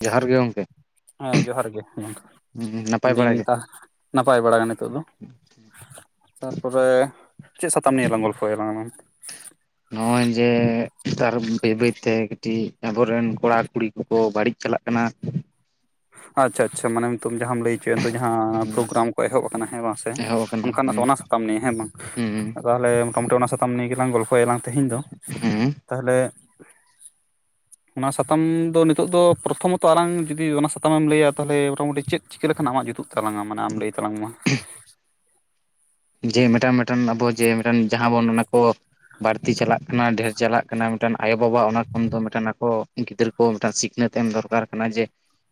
ᱡᱚᱦᱟᱨ ᱜᱮ ᱜᱚᱝᱠᱮ ᱦᱮᱸ ᱡᱚᱦᱟᱨ ᱜᱮ ᱱᱟᱯᱟᱭ ᱵᱟᱲᱟ ᱜᱮ ᱢᱮᱱᱫᱟᱹᱧᱟᱦᱼᱼ ᱱᱟᱯᱟᱭ ᱵᱟᱟᱜ ᱱᱤᱛᱚᱜ ᱫᱚ ᱛᱟᱯᱚᱨᱮ ᱪᱮᱫ ᱥᱟᱛᱟᱢ ᱱᱤᱭᱟᱹᱮ ᱭᱟᱞᱟᱝ ᱜᱚᱞᱯᱷᱚ ᱭᱟᱞᱟᱝ ᱟᱝ? ᱱᱚᱜ ᱚᱭ ᱡᱮ ᱱᱮᱛᱟᱨ ᱵᱟᱹᱭ ᱵᱟᱹᱭᱛᱮ ᱠᱟᱹᱴᱤᱡ ᱟᱵᱚᱨᱮᱱ ᱠᱚᱲᱟ ᱠᱩᱲᱤᱼᱼ ᱠᱚ ᱵᱟᱹᱲᱤᱡ ᱪᱟᱞᱟᱜ ᱠᱟᱱᱟ᱾ ᱟᱪᱪᱷᱟ ᱟᱪᱪᱷᱟ, ᱢᱟᱱᱮᱼᱼ ᱧᱩᱛᱩᱢ ᱡᱟᱦᱟᱸᱟᱢ ᱞᱟᱹᱭ ᱦᱚᱪᱚᱭᱟ ᱱᱤᱛᱚᱜ ᱡᱟᱦᱟᱸ ᱦᱩᱸ ᱯᱨᱳᱜᱨᱟᱢ ᱠᱚ ᱮᱦᱚᱵ ᱟᱠᱟᱱᱟ ᱦᱮᱸ ᱵᱟᱝᱥᱮ ᱮᱦᱚᱵ ᱟᱠᱟᱱᱟ ᱚᱱᱠᱟᱱᱟᱜ ᱦᱩᱸ ᱚᱱᱟᱼᱼ ᱥᱟᱛᱟᱢ ᱱᱤᱭᱮ ᱦᱮᱸ ᱵᱟᱝ ᱦᱩᱸ ᱛᱟᱦᱚᱞᱮ ᱢᱚᱴᱟᱢᱩᱴᱤ ᱚᱱᱟ ᱥᱟᱛᱟᱢ ᱱᱤᱭᱮ ᱜᱮᱞᱟᱝ ᱜᱚᱞᱯᱚ ᱭᱟᱞᱟᱝ ᱛᱮᱦᱮᱧ ᱫᱚ, ᱦᱩᱸ ᱛᱟᱦᱚᱞᱮᱼᱼ ᱚᱱᱟ ᱥᱟᱛᱟᱢ ᱫᱚ ᱱᱤᱛᱚᱜ ᱫᱚ ᱯᱨᱚᱛᱷᱚᱢᱚᱛᱚ ᱟᱞᱟᱟᱝ ᱡᱩᱫᱤ ᱚᱱᱟ ᱥᱟᱼᱼ ᱥᱟᱛᱟᱢᱮᱢ ᱞᱟᱹᱭᱟ ᱛᱟᱦᱚᱞᱮ ᱢᱚᱴᱟᱢᱩᱴᱤ ᱪᱮᱫ ᱪᱤᱠᱟᱹ ᱞᱮᱠᱷᱟᱱ ᱟᱢᱟᱜ ᱡᱩᱛᱩᱜ ᱛᱞᱟᱟ ᱢᱟᱱᱮ ᱟᱢ ᱞᱟᱹᱭ ᱛᱞᱟᱝ ᱢᱟ? ᱡᱮ ᱢᱤᱫᱴᱟᱝ ᱢᱤᱫᱴᱟᱝ ᱟᱵᱚ ᱡᱮᱴ ᱡᱟᱦᱟᱸ ᱵᱚᱱ ᱚᱱᱟ ᱠᱚᱼᱼ ᱵᱟᱹᱲᱛᱤ ᱪᱟᱞᱟᱜ ᱠᱟᱱᱟ ᱰᱷᱮᱨ ᱪᱟᱞᱟᱜ ᱠᱟᱱᱟ ᱢᱤᱫᱴᱮᱱ ᱟᱭᱳᱵᱟᱵᱟ ᱚᱱᱟ ᱠᱷᱚᱱ ᱫᱚ ᱟᱠᱚ ᱜᱤᱫᱽᱟᱹᱨᱟᱹ ᱢᱤᱫᱴᱟᱝ ᱥᱤᱠᱷᱱᱟᱹᱛ ᱮᱢ ᱫᱚᱨᱠᱟᱨ ᱠᱟᱱᱟ ᱡᱮ